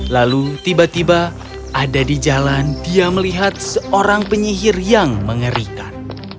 lalu tiba tiba ada di jalan dia melihat seorang penyihir yang mengerikan